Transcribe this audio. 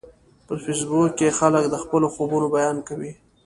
په فېسبوک کې خلک د خپلو خوبونو بیان کوي